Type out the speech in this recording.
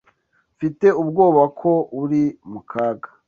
Mfite ubwoba ko uri mukaga.